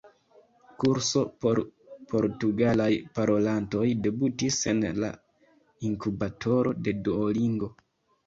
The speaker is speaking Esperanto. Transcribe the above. -kurso por portugalaj parolantoj debutis en la inkubatoro de Duolingo